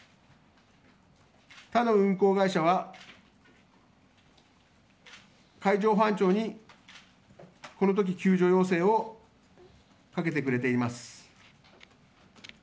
他の運航会社は海上保安庁にこの時救助要請をかけてくれています。